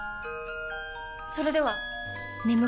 それでは！